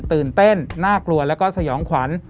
ตื่นเต้นน่ากลัวแล้วก็สยองขวัญ